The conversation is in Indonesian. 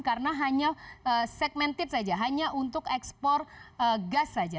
karena hanya segmented saja hanya untuk ekspor gas saja